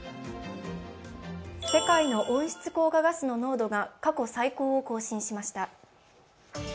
世界の温室効果ガスの濃度が過去最高を更新しました。